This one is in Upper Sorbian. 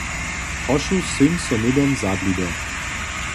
Prošu sydń so hnydom za blido.